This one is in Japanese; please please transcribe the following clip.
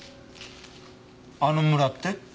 あの村って？